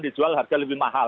dijual harga lebih mahal